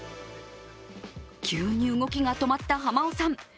急に動きが止まった浜尾さん。